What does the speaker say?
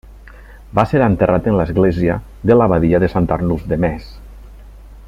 Va ser enterrat en l'església de l'abadia de sant Arnulf de Metz.